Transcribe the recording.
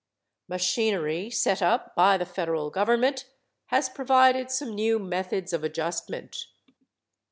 Machinery set up by the federal government has provided some new methods of adjustment.